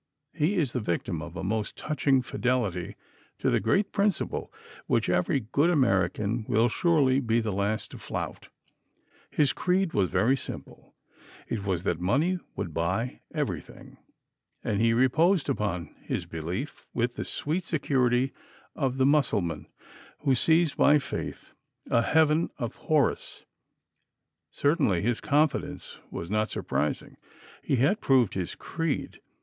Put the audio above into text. He is the victim of a most touching fidelity to the great principle which every good American will surely be the last to flout. His creed was very simple: it was that money would buy everything, and he reposed upon his belief with the sweet security of the Mussulman who sees by faith a heaven of houris. Certainly his confidence was not surprising. He had proved his creed.